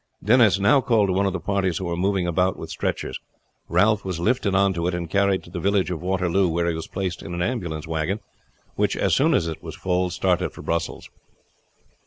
Denis now called to one of the parties who were moving about with stretchers. Ralph was lifted on to it and carried to the village of Waterloo where he was placed in an ambulance wagon which, as soon as it was full, started for Brussels.